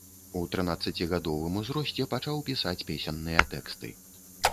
У трынаццацігадовым узросце пачаў пісаць песенныя тэксты.